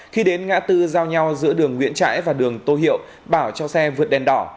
khi đến ngã tư giao nhau giữa đường nguyễn trãi và đường tô hiệu bảo cho xe vượt đèn đỏ